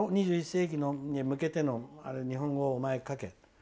２１世紀に向けての日本語をお前が書け。